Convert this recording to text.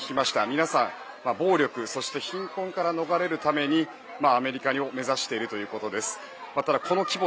皆さん、暴力、そして貧困から逃れるためにアメリカを目指しているということです。